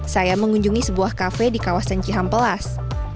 saya mengunjungi sebuah kafe di kawasan cihampelas